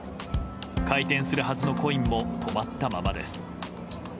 回転するはずのコインも止まったままです。